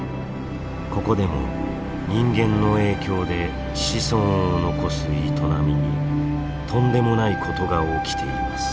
ここでも人間の影響で子孫を残す営みにとんでもないことが起きています。